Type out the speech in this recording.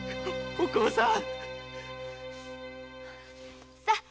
お甲さん。